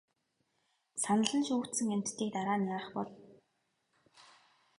Санал нь шүүгдсэн амьтдыг дараа нь яах бол?